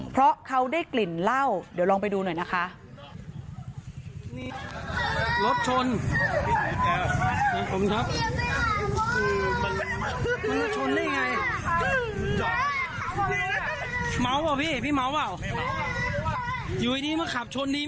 เพราะเขาได้กลิ่นเหล้าเดี๋ยวลองไปดูหน่อยนะคะ